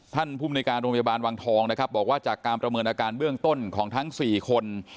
ภูมิในการโรงพยาบาลวังทองนะครับบอกว่าจากการประเมินอาการเบื้องต้นของทั้ง๔คน